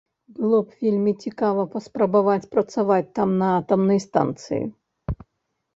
Было б вельмі цікава паспрабаваць працаваць там на атамнай станцыі.